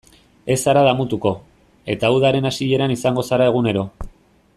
Ez zara damutuko, eta udaren hasieran izango zara egunero.